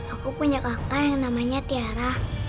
aku punya kakak yang namanya tiara